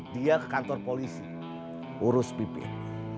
dia ke kantor polisi urus pipit